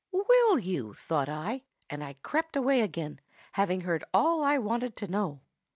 "'Will you?' thought I, and I crept away again, having heard all I wanted to know.